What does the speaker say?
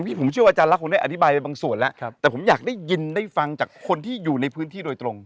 ผมเชื่อว่าอาจารย์รักคงได้อธิบายไปบางส่วนแล้วแต่ผมอยากได้ยินได้ฟังจากคนที่อยู่ในพื้นที่โดยตรง